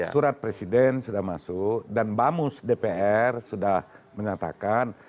surat presiden sudah masuk dan bamus dpr sudah menyatakan